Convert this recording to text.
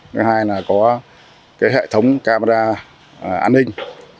thứ hai là có hệ thống camera an ninh